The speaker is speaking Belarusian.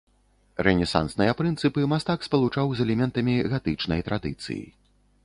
Рэнесансныя прынцыпы мастак спалучаў з элементамі гатычнай традыцыі.